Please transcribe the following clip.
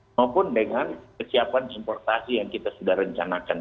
maupun dengan kesiapan importasi yang kita sudah rencanakan